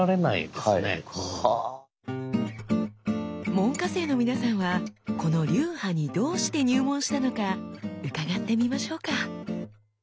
門下生の皆さんはこの流派にどうして入門したのか伺ってみましょうか。